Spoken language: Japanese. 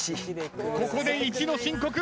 ここで１の申告。